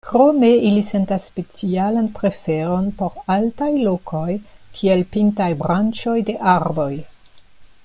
Krome ili sentas specialan preferon por altaj lokoj, kiel pintaj branĉoj de arboj.